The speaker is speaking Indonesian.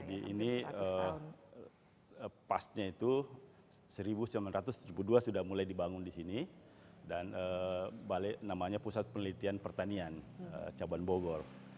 jadi ini pastnya itu seribu sembilan ratus dua sudah mulai dibangun di sini dan namanya pusat penelitian pertanian caban bogor